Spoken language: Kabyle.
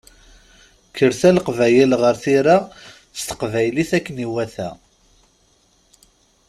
Kkret a Leqbayel ɣer tira s teqbaylit akken iwata!